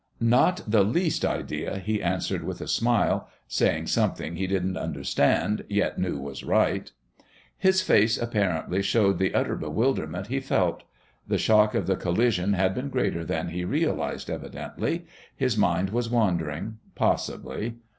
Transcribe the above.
"Not the least idea," he answered with a smile, saying something he didn't understand, yet knew was right. His face, apparently, showed the utter bewilderment he felt. The shock of the collision had been greater than he realised evidently. His mind was wandering.... Possibly!